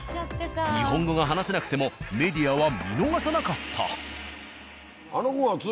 日本語が話せなくてもメディアは見逃さなかった。